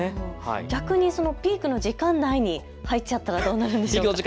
逆にピークの時間内に入っちゃったらどうなるんでしょうか。